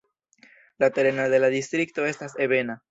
La tereno de la distrikto estas ebena.